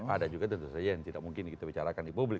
ada juga tentu saja yang tidak mungkin kita bicarakan di publik